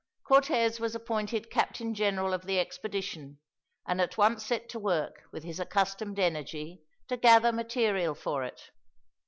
Cortez was appointed captain general of the expedition, and at once set to work, with his accustomed energy, to gather material for it.